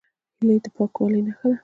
هیلۍ د پاکوالي نښه ده